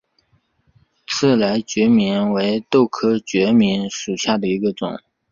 翅荚决明为豆科决明属下的一个种。